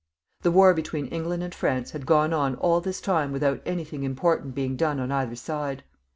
The wax between England and France had gone on all this time without anything important being done on either side.